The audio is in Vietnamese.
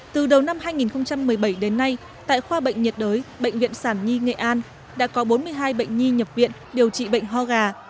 từ đầu năm hai nghìn một mươi bảy đến nay tại khoa bệnh nhiệt đới bệnh viện sản nhi nghệ an đã có bốn mươi hai bệnh nhi nhập viện điều trị bệnh ho gà